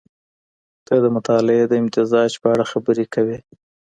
ته د مطالعې د امتزاج په اړه خبري کوې.